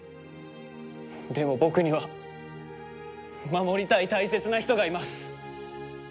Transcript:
でも僕には守りたい大切な人がいます！